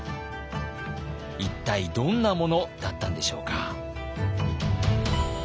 一体どんなものだったんでしょうか。